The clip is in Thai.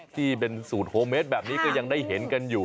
ที่เป็นสูตรโฮเมดแบบนี้ก็ยังได้เห็นกันอยู่